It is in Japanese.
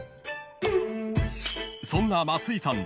［そんな増井さん